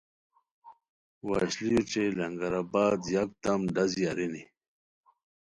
وشلی اوچے لنگر آباد یکدم ڈازی ارینی